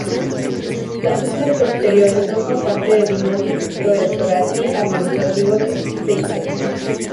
Las islas Exteriores no son parte de ningún distrito electoral ni administrativo de Seychelles.